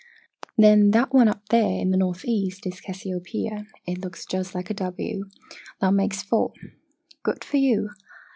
Then, that one up there in the northeast is Cassiopaeia it looks just like a 'W.' That makes four!" "Good for you!